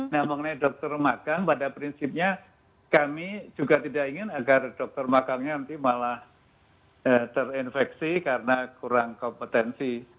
nah mengenai dokter makam pada prinsipnya kami juga tidak ingin agar dokter makamnya nanti malah terinfeksi karena kurang kompetensi